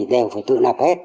đều phải tự nạp hết